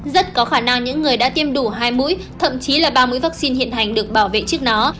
rất có khả năng những người đã tiêm đủ hai mũi thậm chí là ba mũi vaccine hiện hành được bảo vệ trước nó